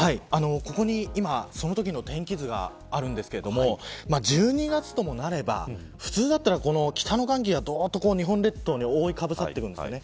ここに、そのときの天気図があるんですけれども１２月ともなれば普通だったら北の寒気が日本列島に覆いかぶさってるんですよね。